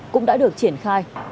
cũng đã được triển khai